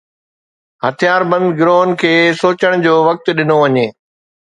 هٿياربند گروهن کي سوچڻ جو وقت ڏنو وڃي.